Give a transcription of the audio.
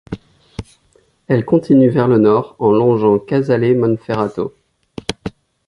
Elle continue vers le Nord en longeant Casale Monferrato.